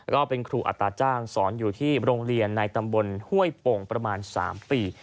ก็เป็นครูอัตราจ้างสอนอยู่ที่โรงเรียนในตำบลห้วยโป่งประมาณ๓ปี